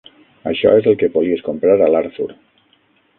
Això és el que volies comprar a l'Arthur.